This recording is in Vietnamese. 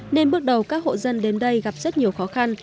nên bước đầu các hộ dân đến đây gặp rất nhiều khó khăn